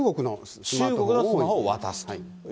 中国のスマホを渡すという。